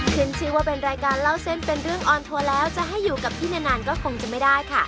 ขึ้นชื่อว่าเป็นรายการเล่าเส้นเป็นเรื่องออนทัวร์แล้วจะให้อยู่กับพี่นานก็คงจะไม่ได้ค่ะ